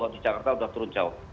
di jakarta sudah turun jauh